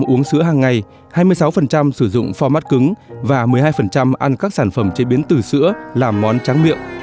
ba mươi uống sữa hàng ngày hai mươi sáu sử dụng pho mát cứng và một mươi hai ăn các sản phẩm chế biến từ sữa làm món tráng miệng